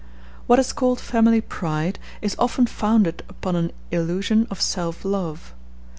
] What is called family pride is often founded upon an illusion of self love.